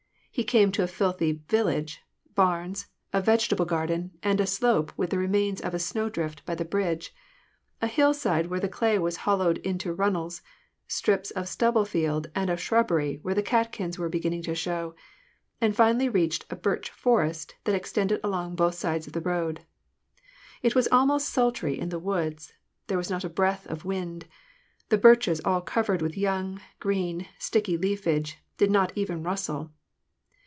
He came to a filthy village, barns, a vege table garden, a slope with the remains of a snowdrift by the bridge, a hillside where the clay was hollowed into runnels, strips of stubble field and of shrubbery where the catkins were beginning to show, and finally reached a birch forest that extended along both sides of the road. It was almost sultry in the woods ; there was not a breath of wind ; the birches, all covered with young, green, sticky leafage, did not even rustle.